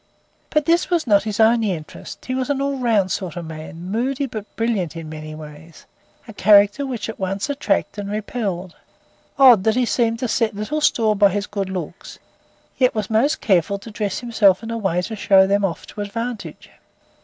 But this was not his only interest. He was an all round sort of man, moody but brilliant in many ways a character which at once attracted and repelled, odd in that he seemed to set little store by his good looks, yet was most careful to dress himself in a way to show them off to advantage.